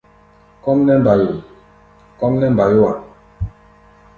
Kɔ́ʼm nɛ́ mbayo! kɔ́ʼm nɛ́ mbayó-a.